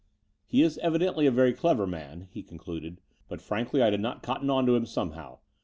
He is evidently a very clever man," he concluded; "but frankly I did not cotton on to him somehow.